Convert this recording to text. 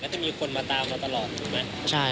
จะมีคนมาตามเราตลอดถูกไหม